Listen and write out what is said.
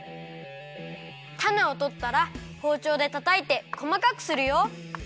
たねをとったらほうちょうでたたいてこまかくするよ。